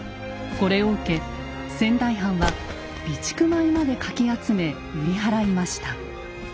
これを受け仙台藩は備蓄米までかき集め売り払いました。